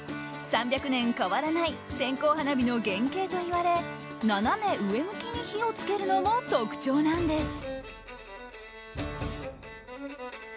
３００年変わらない線香花火の原形といわれ斜め上向きに火を付けるのも特徴なんです。